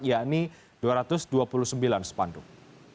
yakni dua ratus dua puluh sembilan spanduk